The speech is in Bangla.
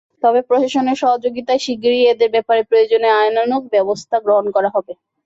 তবে প্রশাসনের সহযোগিতায় শিগগিরই এঁদের ব্যাপারে প্রয়োজনীয় আইনানুগ ব্যবস্থা গ্রহণ করা হবে।